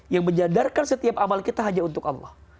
yang menyadarkan setiap amal kita hanya untuk allah